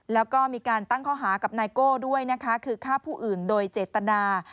แล้วก็มีการตั้งข้อหากับนายโก้ด้วยนะคะคือฆ่าผู้อื่นโดยเจตนา